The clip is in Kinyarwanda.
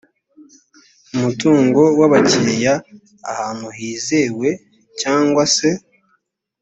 umutungo w abakiriya ahantu hizewe cyangwa se